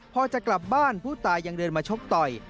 พอจะกลับบ้านผู้ตายยังเดินมาชกต่อย